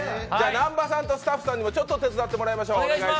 南波さんとスタッフさんにも手伝ってもらいましょう。